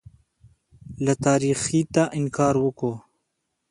له تاریخیته انکار وکوو.